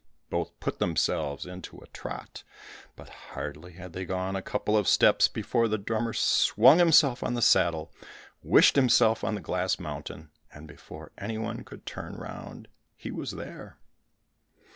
Both put themselves into a trot; but hardly had they gone a couple of steps before the drummer swung himself on the saddle, wished himself on the glass mountain, and before any one could turn round, he was there.